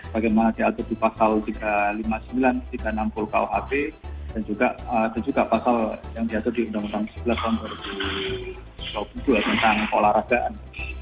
bagaimana diatur di pasal tiga ratus lima puluh sembilan tiga ratus enam puluh kuhb dan juga pasal yang diatur di undang undang sebelas dua ribu dua belas tentang keolahragaan